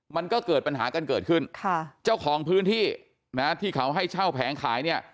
มันก็เกิดปัญหากันเกิดขึ้นค่ะเจ้าของพื้นที่นะที่เขาให้เช่าแผงขายเนี่ย